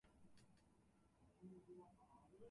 東京都足立区